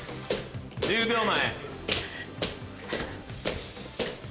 １０秒前。